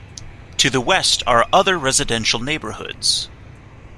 To the west are other residential neighborhoods.